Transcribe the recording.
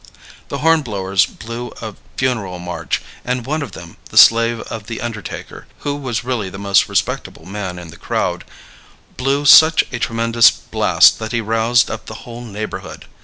The hornblowers blew a funeral march; and one of them, the slave of the undertaker, who was really the most respectable man in the crowd, blew such a tremendous blast that he roused up the whole neighborhood.